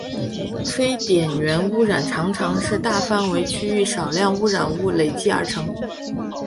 非点源污染常常是大范围区域少量污染物累积而成。